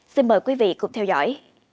xin mời quý vị cùng theo dõi